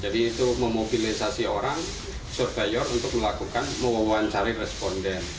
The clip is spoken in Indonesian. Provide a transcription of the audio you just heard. jadi itu memobilisasi orang surveyor untuk melakukan mewawancari responden